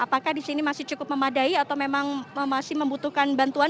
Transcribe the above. apakah di sini masih cukup memadai atau memang masih membutuhkan bantuan